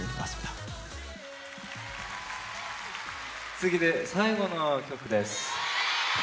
次で最後の曲です。